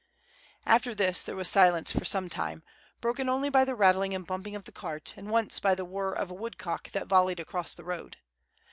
After this there was silence for some time, broken only by the rattling and bumping of the cart, and once by the whir of a woodcock that volleyed across the road.